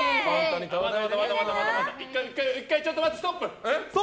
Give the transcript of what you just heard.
ちょっと待ってストップ！